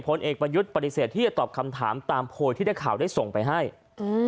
ผลเอกประยุทธ์ปฏิเสธที่จะตอบคำถามตามโพยที่นักข่าวได้ส่งไปให้อืม